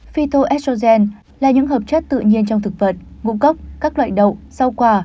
phyto estrogen là những hợp chất tự nhiên trong thực vật ngũ cốc các loại đậu rau quả